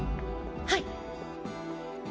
はい。